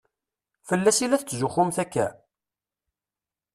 Fell-as i la tetzuxxumt akka?